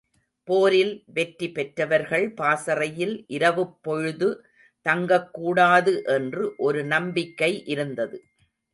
போரில் வெற்றி பெற்றவர்கள் பாசறையில் இரவுப் பொழுது தங்கக்கூடாது என்று ஒரு நம்பிக்கை இருந்தது.